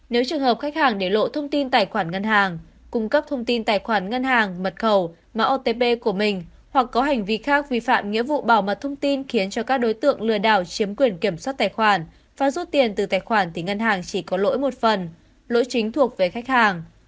nếu trường hợp khách hàng để lộ thông tin tài khoản ngân hàng cung cấp thông tin tài khoản ngân hàng mật khẩu mạng otp của mình hoặc có hành vi khác vi phạm nghĩa vụ bảo mật thông tin khiến cho các đối tượng lừa đảo chiếm quyền kiểm soát tài khoản và rút tiền từ tài khoản thì ngân hàng chỉ có lỗi một phần lỗi chính thuộc về khách hàng